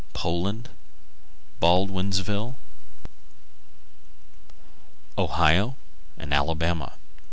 _Poland, Me., Baldwinsville, N.Y., Ohio, and Alabama.